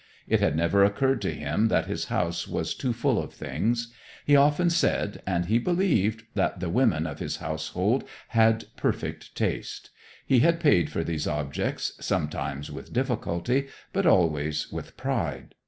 It had never occurred to him that his house was too full of things. He often said, and he believed, that the women of his household had "perfect taste." He had paid for these objects, sometimes with difficulty, but always with pride.